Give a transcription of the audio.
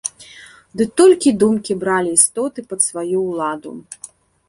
Ды толькі думкі бралі істоты пад сваю ўладу.